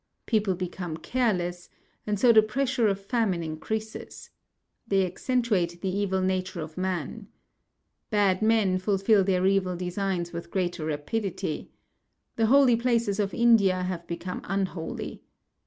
People become careless, and so the pressure of famine increases. They accentuate the evil nature of man. Bad men fulfil their evil designs with greater rapidity. The holy places of India have become unholy.